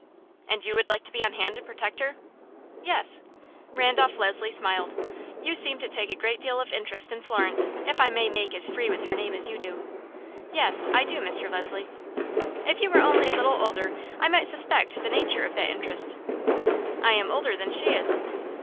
"And you would like to be on hand to protect her?" "Yes." Randolph Leslie smiled. "You seem to take a great deal of interest in Florence, if I may make as free with her name as you do." "Yes; I do, Mr. Leslie." "If you were only a little older I might suspect the nature of that interest." "I am older than she is."